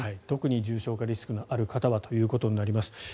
特に重症化リスクのある方はということになります。